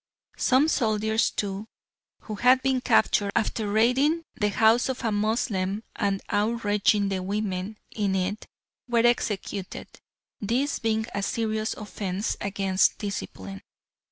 Some soldiers too, who had been captured after raiding the house of a Moslem and outraging the women in it, were executed, this being a serious offence against discipline.